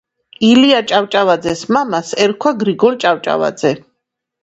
ილია ჭავჭავაძეს მამას ერქვა გრიგოლ ჭავჭავაძე